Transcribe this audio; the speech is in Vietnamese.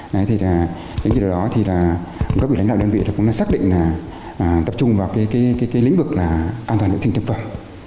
đến khi đó các vị lãnh đạo đơn vị cũng xác định tập trung vào lĩnh vực an toàn vệ sinh thực phẩm